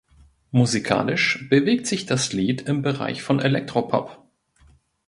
Musikalisch bewegt sich das Lied im Bereich des Elektropop.